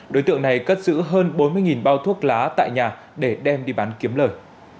đối tượng này cất giữ hơn bốn mươi bao thuốc lá tại nhà để đem đi bán kiếm lời